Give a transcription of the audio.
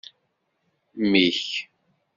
Mmi-k.